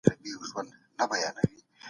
خو دغه ازادي هم حدود لري.